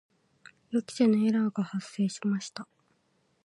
予期せぬエラーが発生しました。